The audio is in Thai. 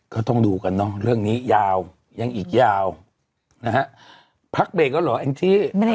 ก็ต้องดูกันเนอะเรื่องนี้ยาวยังอีกยาวนะฮะพักเบรกแล้วเหรอแองจี้